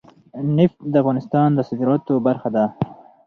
نفت د افغانستان د صادراتو برخه ده.